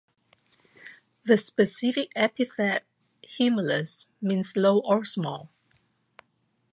The specific epithet ("humilis") means "low" or "small".